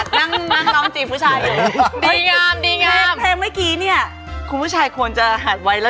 นึกถึงทะเลแล้วบอกรักกันอ่ะ